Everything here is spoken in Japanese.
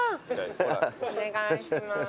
お願いします。